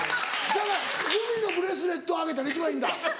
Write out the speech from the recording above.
だからグミのブレスレットをあげたら一番いいんだ。